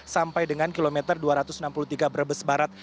sampai dengan kilometer dua ratus enam puluh tiga brebes barat